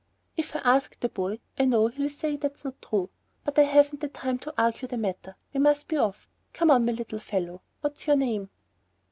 "If I ask the boy I know he'll say that's not true. But I haven't the time to argue the matter. We must be off. Come on, my little fellow. What's your name?"